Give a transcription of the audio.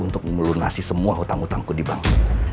untuk melunasi semua hutang hutangku di bangsa